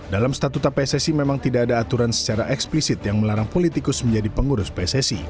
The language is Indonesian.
dalam statuta pssi memang tidak ada aturan secara eksplisit yang melarang politikus menjadi pengurus pssi